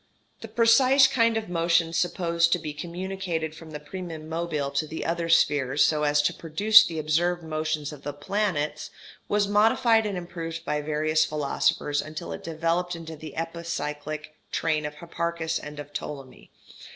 ] The precise kind of motion supposed to be communicated from the primum mobile to the other spheres so as to produce the observed motions of the planets was modified and improved by various philosophers until it developed into the epicyclic train of Hipparchus and of Ptolemy.